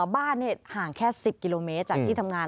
บ้านห่างแค่๑๐กิโลเมตรจากที่ทำงาน